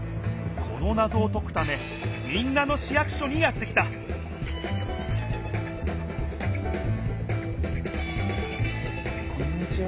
このなぞをとくため民奈野市役所にやって来たこんにちは。